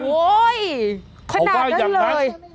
โอ้ยขนาดนั้นเลย